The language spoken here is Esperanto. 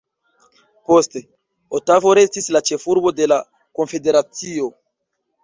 Poste, Otavo restis la ĉefurbo de la konfederacio.